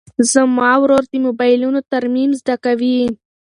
زما ورور د موبایلونو ترمیم زده کوي.